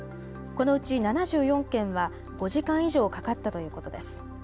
このうち７４件は５時間以上かかったということです。